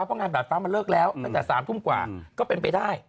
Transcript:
เพราะงามดาดฟั้งมันเลิกแล้วมีแต่๙๓๐ปรากฏก็เป็นไปได้